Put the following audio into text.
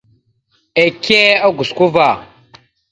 Ike a gosko ava.